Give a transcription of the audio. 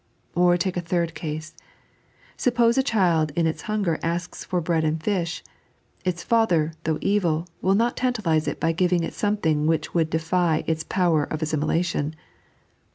Or bike a third case. Suppose a child in its hunger asks for bread and fish. Its father, though evil, will not tantalise it by giving it something which wiU defy its powers of assimilation.